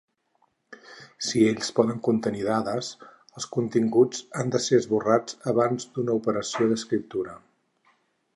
Si ells poden contenir dades, els continguts han de ser esborrats abans d'una operació d'escriptura.